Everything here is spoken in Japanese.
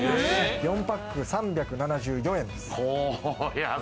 ４パック３７４円です。